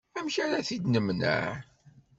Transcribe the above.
Amek ara t-id-nemneɛ?